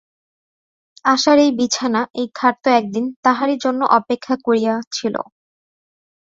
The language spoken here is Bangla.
আশার এই বিছানা, এই খাট তো একদিন তাহারই জন্য অপেক্ষা করিয়া ছিল।